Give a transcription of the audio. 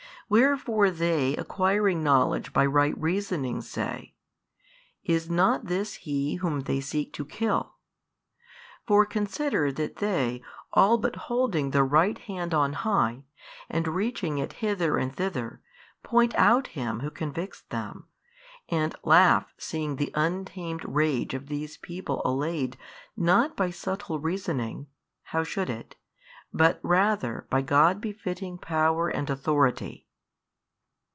Wherefore they acquiring knowledge by right reasoning say, Is not This He Whom they seek to kill? For consider that they all but holding their right hand on high, and reaching it hither and thither, point out Him Who convicts them, and laugh seeing the untamed rage of these people allayed not by subtle reasoning (how should it?) but rather by God befitting Power and Authority.